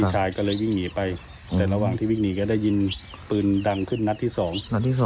ชายก็เลยวิ่งหนีไปแต่ระหว่างที่วิ่งหนีก็ได้ยินปืนดังขึ้นนัดที่๒นัดที่๒